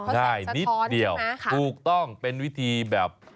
ง่ายนิดเดียวถูกต้องเป็นวิธีแบบ